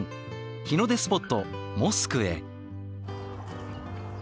日の出スポットモスクへ。